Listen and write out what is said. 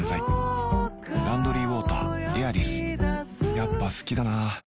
やっぱ好きだな